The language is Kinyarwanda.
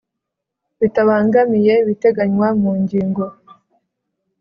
Bitabangamiye ibiteganywa mu ngingo